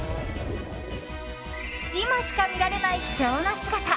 今しか見られない貴重な姿。